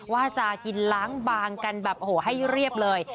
ว่าจะกินล้างบางกันแบบโอ้โหให้เรียบเลย